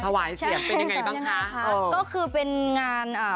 ถวายเสียงใช่ค่ะเป็นยังไงบ้างคะเออก็คือเป็นงานอ่า